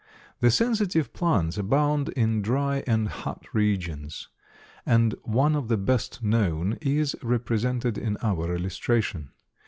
The sensitive plants abound in dry and hot regions, and one of the best known is represented in our illustration.